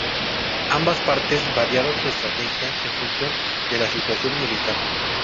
Ambas partes variaron su estrategia en función de la situación militar.